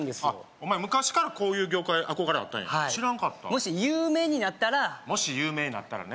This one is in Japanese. お前昔からこういう業界憧れあったんや知らんかったもし有名になったらもし有名になったらね